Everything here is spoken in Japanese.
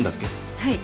はい。